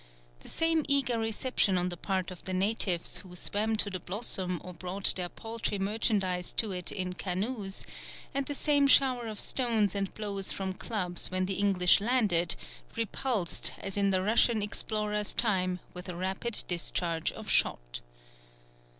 The same eager reception on the part of the natives, who swam to the Blossom or brought their paltry merchandise to it in canoes, and the same shower of stones and blows from clubs when the English landed, repulsed, as in the Russian explorer's time, with a rapid discharge of shot.